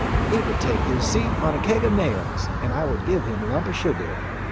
He would take his seat on a keg of nails, and I would give him a lump of sugar.